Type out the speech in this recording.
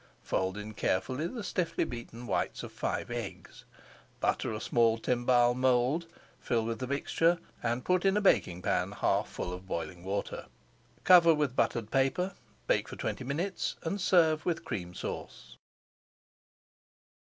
Fold in carefully the stiffly beaten whites of five eggs. Butter a small timbale mould, fill with the mixture, and put in a baking pan half full of boiling water. Cover with buttered paper, bake for twenty minutes, and serve with Cream Sauce.